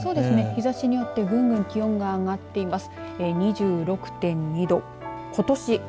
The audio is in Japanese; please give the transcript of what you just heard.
日ざしによってぐんぐん気温が上がっています。